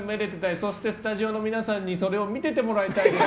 そしてスタジオの皆さんにそれを見ててもらいたいです。